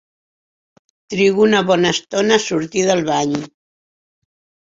Trigo una bona estona a sortir del bany.